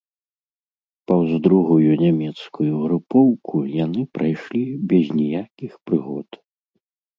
Паўз другую нямецкую групоўку яны прайшлі без ніякіх прыгод.